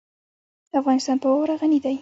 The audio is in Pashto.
افغانستان په واوره غني دی.